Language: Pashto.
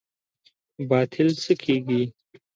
باطل څه کیږي؟